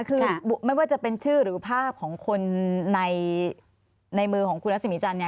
คือไม่ว่าจะเป็นชื่อหรือภาพของคนในมือของคุณรัศมีจันทร์เนี่ย